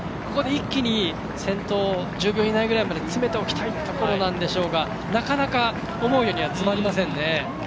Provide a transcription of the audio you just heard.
ここで一気に先頭１０秒以内ぐらいまで詰めておきたいところなんでしょうがなかなか思うようには詰まりませんね。